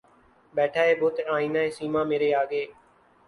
بیٹھا ہے بت آئنہ سیما مرے آگے